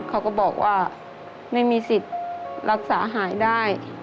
เขาก็บอกว่าไม่มีสิทธิ์รักษาหายได้